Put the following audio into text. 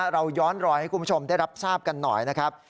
เราย้อนรอยให้คุณผู้ชมได้รับทราบกันหน่อยนะครับ